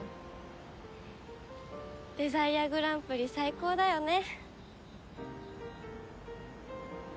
デザイアグランプリ最高だよね。